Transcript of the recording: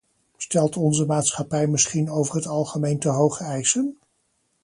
Stelt onze maatschappij misschien over het algemeen te hoge eisen?